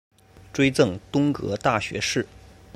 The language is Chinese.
追赠东阁大学士。